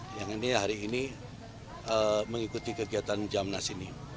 yang hari ini mengikuti kegiatan jambore nasional